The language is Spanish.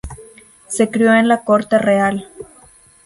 Se crio en la corte real.